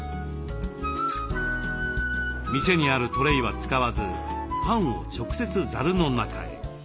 店にあるトレーは使わずパンを直接ざるの中へ。